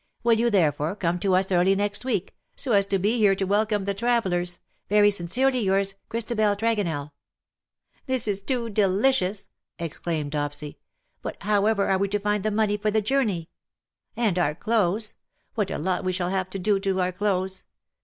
Will you, therefore, come to us early next week, so as to be here to welcome the travellers ? a i Yej;.y sincerely yours, ^^' Christabel Tregonell/ •''^^ This is too delicious/'' exclaimed Dopsy. ''' But however are we to find the money for the journey ? And our clothes — what a lot we shall have to do to our clothes.